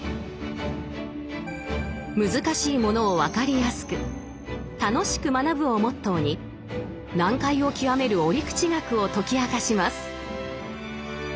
難しいものを分かりやすく楽しく学ぶをモットーに難解を極める折口学を解き明かします。